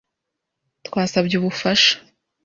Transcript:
Twasabye ubufasha .